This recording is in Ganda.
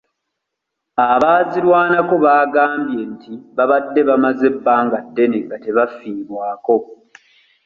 Abaazirwanako baagambye nti babadde bamaze ebbanga ddene nga tebafiibwako.